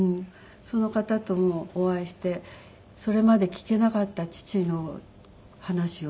その方ともお会いしてそれまで聞けなかった父の話を色々聞いて。